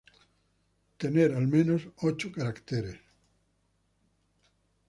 tener al menos ocho carácteres